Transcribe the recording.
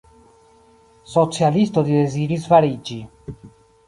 Socialisto li deziris fariĝi.